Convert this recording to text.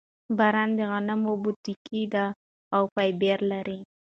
بران د غنم پوټکی دی او فایبر لري.